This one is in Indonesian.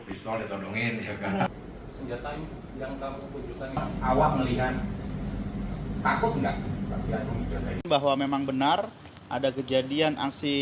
bisa ditondongin ya kan awal melihat takut enggak bahwa memang benar ada kejadian aksi